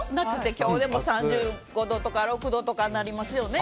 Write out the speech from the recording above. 今日でも３５度とか３６度とかになりますよね。